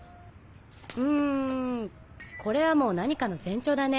うんこれはもう何かの前兆だね。